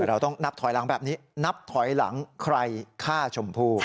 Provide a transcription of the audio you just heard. เราต้องนับถอยหลังแบบนี้นับถอยหลังใครฆ่าชมพู่